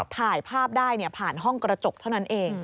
ถ่ายภาพได้ผ่านห้องกระจกเท่านั้นเอง